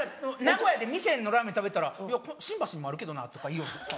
名古屋で味仙のラーメン食べてたら「新橋にもあるけどな」とか言いよるんですよ。